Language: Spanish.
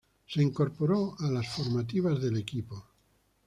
Se incorporó a las formativas del equipo.